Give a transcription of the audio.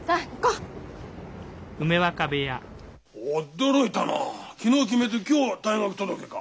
驚いたな昨日決めて今日退学届か。